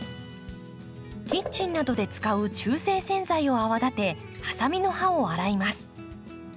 キッチンなどで使う中性洗剤を泡立てハサミの刃を洗います。